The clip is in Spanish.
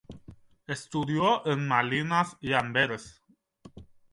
Estudió en Malinas y Amberes.